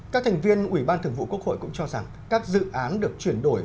các thành viên ủy ban thường vụ quốc hội cũng cho rằng các dự án được chuyển đổi